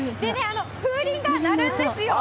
風鈴が鳴るんですよ。